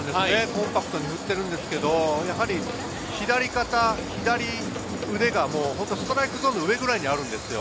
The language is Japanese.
コンパクトに振っているんですけれど、左肩、左腕がストライクゾーンの上ぐらいにあるんですよ。